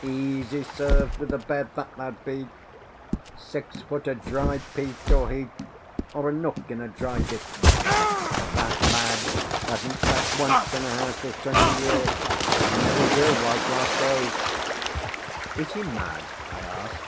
"Easy served with a bed, that lad be; six foot o' dry peat or heath, or a nook in a dry ditch. That lad hasn't slept once in a house this twenty year, and never will while grass grows." "Is he mad?" I asked.